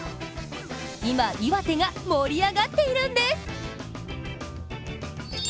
今、岩手が盛り上がっているんです。